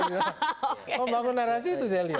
membangun narasi itu saya lihat